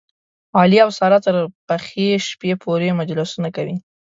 علي او ساره تر پخې شپې پورې مجلسونه کوي.